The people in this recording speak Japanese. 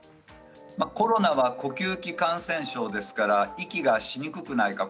コロナは呼吸器感染症ですから息がしにくくないか